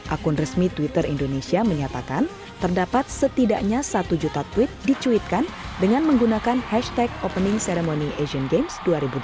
akun resmi twitter indonesia menyatakan terdapat setidaknya satu juta tweet dicuitkan dengan menggunakan hashtag opening ceremony asian games dua ribu delapan belas